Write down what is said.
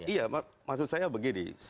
iya maksud saya begini